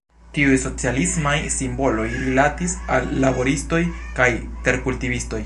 Tiuj socialismaj simboloj rilatis al laboristoj kaj terkultivistoj.